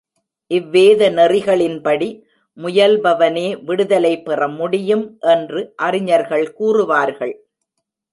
இவ்வேத நெறிகளின்படி முயல்பவனே விடுதலை பெறமுடியும் என்று அறிஞர்கள் கூறுவார்கள்.